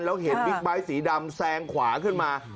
แล้วเห็นบิ๊กไบท์สีดำแซงขวาขึ้นมา